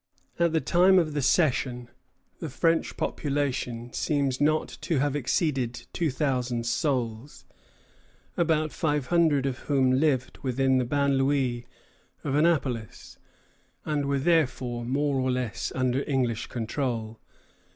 At the time of the cession the French population seems not to have exceeded two thousand souls, about five hundred of whom lived within the banlieue of Annapolis, and were therefore more or less under English control.